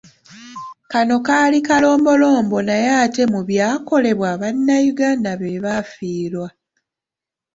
Kano kaali kalombolombo naye ate mu byakolebwa, bannayuganda be baafiirwa.